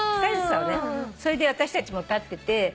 それで私たち立ってて。